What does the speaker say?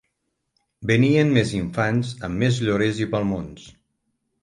Venien més infants amb més llorers i palmons